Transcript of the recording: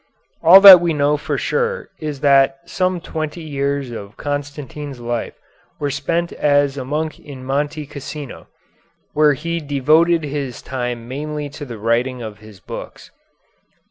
All that we know for sure is that some twenty years of Constantine's life were spent as a monk in Monte Cassino, where he devoted his time mainly to the writing of his books.